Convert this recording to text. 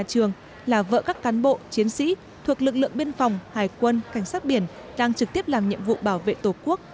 trường là vợ các cán bộ chiến sĩ thuộc lực lượng biên phòng hải quân cảnh sát biển đang trực tiếp làm nhiệm vụ bảo vệ tổ quốc